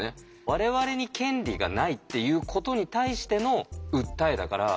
我々に権利がないっていうことに対しての訴えだから。